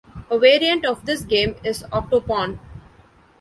A variant of this game is octopawn.